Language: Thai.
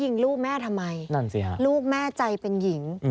ยิงลูกแม่ทำไมลูกแม่ใจเป็นหญิง